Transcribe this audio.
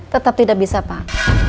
tetap tidak bisa pak